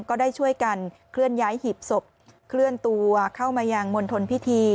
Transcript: ก็ได้ช่วยกันเคลื่อนย้ายหีบศพเคลื่อนตัวเข้ามายังมณฑลพิธี